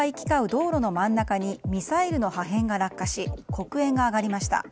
道路の真ん中にミサイルの破片が落下し黒煙が上がりました。